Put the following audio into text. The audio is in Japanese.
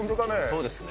そうですね。